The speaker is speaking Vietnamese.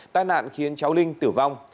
tai nạn khiến cháu linh tử vong